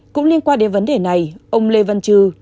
cũng liên quan đến vấn đề này ông lê văn trư